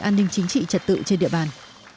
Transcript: an ninh chính trị trật tự trên địa bàn